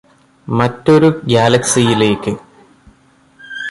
മറ്റൊരു ഗ്യാലക്സിയിലേയ്ക്ക്